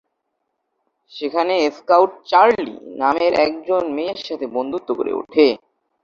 সেখানে Scout Charlie নামের একজন মেয়ের সাথে বন্ধুত্ব গড়ে।